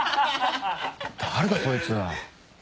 誰だそいつ。